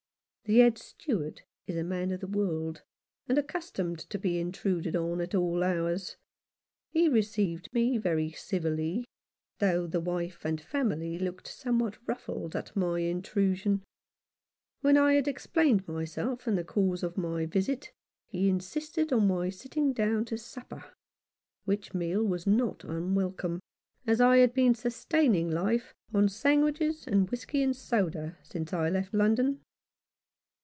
The Head Steward is a man of the world, and accustomed to be intruded on at all hours. He received me very civilly, though the wife and family looked somewhat ruffled at my intrusion. When I had explained myself and the cause of my visit, he insisted on my sitting down to supper, which meal was not unwelcome, as I had been 117 Rough Justice. sustaining life on sandwiches and whisky and soda since I left London.